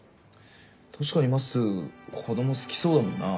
確かにまっす子供好きそうだもんな。